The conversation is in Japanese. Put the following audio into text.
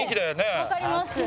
わかります。